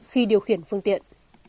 khi điều khiển phương tiện